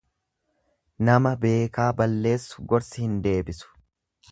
Nama beekaa balleessu gorsi hin deebisu.